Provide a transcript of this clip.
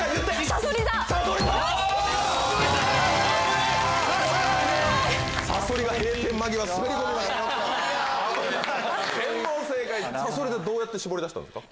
さそり座どうやって絞り出したんですか？